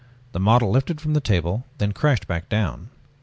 The model lifted from the table then crashed back down.